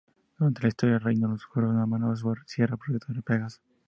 Durante la historia "Reino Oscuro", Norman Osborn cierra Proyecto Pegaso.